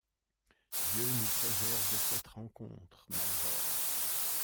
Dieu nous préserve de cette rencontre, mylord!